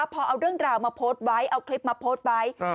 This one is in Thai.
พอเอาเรื่องราวมาโพสต์ไว้เอาคลิปมาโพสต์ไว้